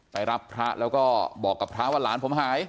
ไปรับพระแล้วก็บอกกับพระว่าหลานผมหาย